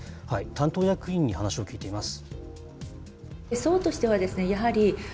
担当役員に話を聞いています。